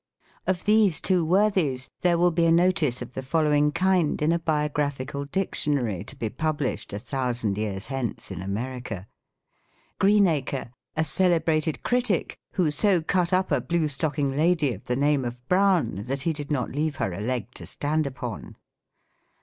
Of these two worthies there will be a notice of the following kind in a biographical dictionary, to be pub lished a thousand years hence in America. Greenacre. — A celebrated critic who so cut up a blue stocking lady of the name of Brown, that he did not leave her a leg to stand upon.